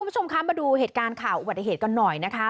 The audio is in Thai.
คุณผู้ชมคะมาดูเหตุการณ์ข่าวอุบัติเหตุกันหน่อยนะคะ